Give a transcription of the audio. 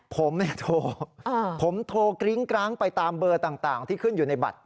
ผมเนี่ยโทรผมโทรกริ้งกร้างไปตามเบอร์ต่างที่ขึ้นอยู่ในบัตร